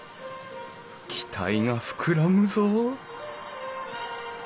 期待が膨らむぞ